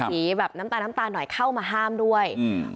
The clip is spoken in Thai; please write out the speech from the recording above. แบบน้ำตาลน้ำตาหน่อยเข้ามาห้ามด้วยอืม